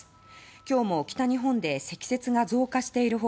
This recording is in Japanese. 今日も北日本で積雪が増加している他